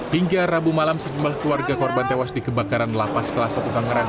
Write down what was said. hingga rabu malam sejumlah keluarga korban tewas di kebakaran lapas kelas satu tangerang